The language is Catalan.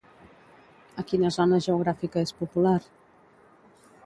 A quina zona geogràfica és popular?